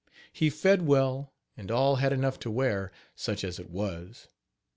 He fed well, and all had enough to wear, such as it was.